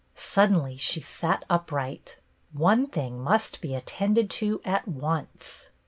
Suddenly she sat upright. One thing must be attended to at once.